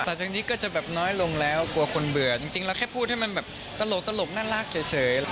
จากนี้ก็จะแบบน้อยลงแล้วกลัวคนเบื่อจริงเราแค่พูดให้มันแบบตลกน่ารักเฉย